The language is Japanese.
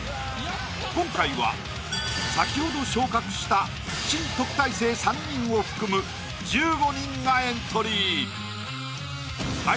今回は先ほど昇格した新特待生３人を含む１５人がエントリー。